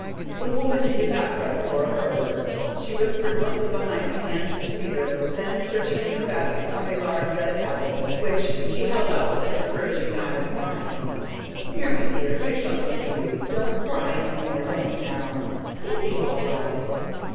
The woman did not press Laura further; she whispered something behind her hand to Peter, then searching in her basket found a large, red apple, which she held out with an encouraging nod and smile. "Here, my dear. Here's something for you. Don't cry any more, don't now. It'll be all right."